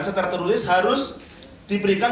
secara tertulis harus diberikan